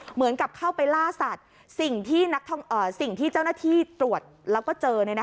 เหมือนกับเข้าไปล่าสัตว์สิ่งที่เจ้าหน้าที่ตรวจแล้วก็เจอ